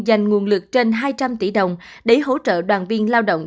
dành nguồn lực trên hai trăm linh tỷ đồng để hỗ trợ đoàn viên lao động